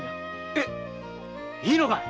え⁉いいのかい！